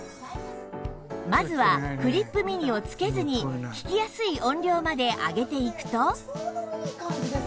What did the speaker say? まずはクリップ・ミニを着けずに聞きやすい音量まで上げていくと